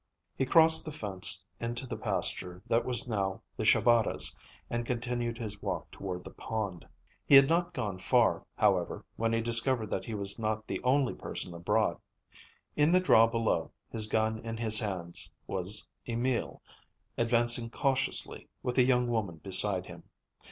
He crossed the fence into the pasture that was now the Shabatas' and continued his walk toward the pond. He had not gone far, however, when he discovered that he was not the only person abroad. In the draw below, his gun in his hands, was Emil, advancing cautiously, with a young woman beside him.